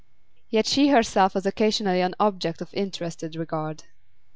Yet she herself was occasionally an object of interested regard.